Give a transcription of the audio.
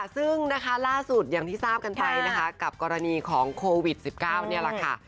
ซึ่งนะคะล่าสุดอย่างที่ทราบกันไปนะคะกับกรณีของโควิด๑๙นี่แหละค่ะ